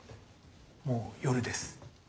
もう夜です。